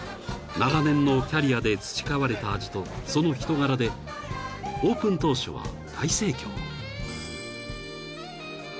［長年のキャリアで培われた味とその人柄でオープン当初は大盛況］